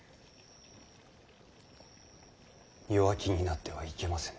弱気になってはいけませぬ。